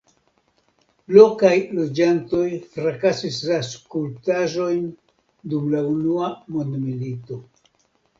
Lokaj loĝantoj frakasis la skulptaĵojn dum la Unua Mondmilito.